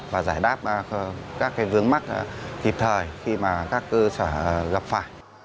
và giải đáp các vướng mắc kịp thời khi mà các cơ sở gặp phải